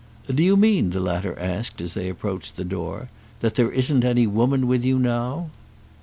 "Do you mean," the latter asked as they approached the door, "that there isn't any woman with you now?"